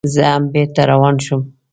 زه هم بېرته روان شوم.